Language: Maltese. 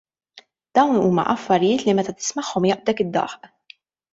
Dawn huma affarijiet li meta tismagħhom jaqbdek id-daħk.